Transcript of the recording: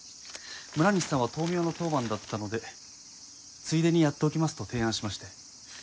村西さんは灯明の当番だったのでついでにやっておきますと提案しまして。